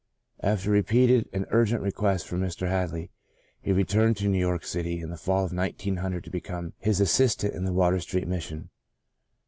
After repeated and urgent requests from Mr. Hadley he returned to New York City in the fall of 1900 to become his assistant in the Water Street Mission.